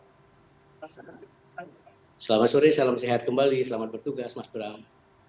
selamat sore salam sehat kembali selamat bertugas mas bram